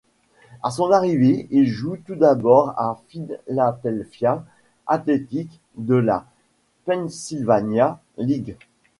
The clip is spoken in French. À son arrivée, il joue tout d'abord à Philadelphia Athletic de la Pennsylvania League.